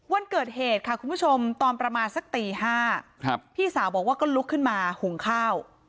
วันเกิดเหตุค่ะคุณผู้ชมตอนประมาณสักตี๕พี่สาวบอกว่าก็ลุกขึ้นมาหุงข้าว